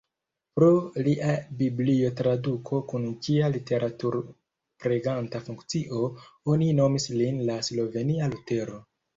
Pro lia biblio-traduko kun ĝia literatur-preganta funkcio oni nomis lin "la slovenia Lutero".